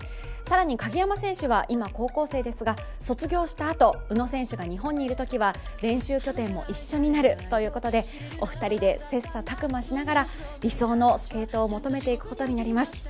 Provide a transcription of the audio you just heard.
更に鍵山選手は今、高校生ですが卒業したあと宇野選手が日本にいるときは、練習拠点も一緒になるということでお二人で切さたく磨しながら理想のスケートを求めていくことになります。